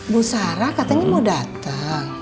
bu sarah katanya mau datang